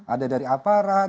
ada dari aparat